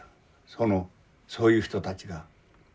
そのそういう人たちが。